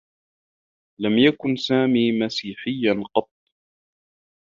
لم يكن سامي مسيحيّا قطّ.